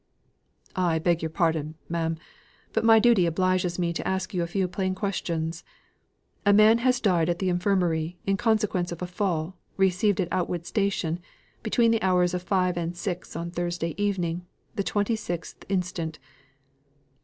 "I beg your pardon, ma'am, but my duty obliges me to ask you a few plain questions. A man has died at the Infirmary, in consequence of a fall, received at Outwood station, between the hours of five and six on Thursday evening, the twenty sixth instant.